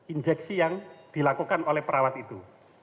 injeksi yang dilakukan oleh perawat itu